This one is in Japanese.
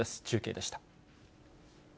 中継でした。